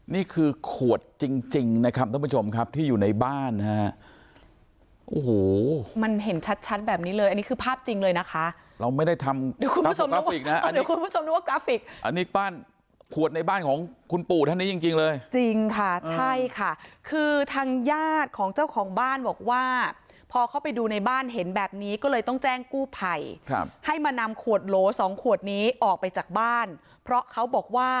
นี่คือขวดจริงนะครับท่านผู้ชมครับที่อยู่ในบ้านค่ะโอ้โหมันเห็นชัดแบบนี้เลยอันนี้คือภาพจริงเลยนะคะเราไม่ได้ทำกราฟิกนะอันนี้บ้านขวดในบ้านของคุณปู่ท่านนี้จริงเลยจริงค่ะใช่ค่ะคือทางญาติของเจ้าของบ้านบอกว่าพอเข้าไปดูในบ้านเห็นแบบนี้ก็เลยต้องแจ้งกู้ไผ่ให้มานำขวดโหล๒ขวดนี้ออกไปจากบ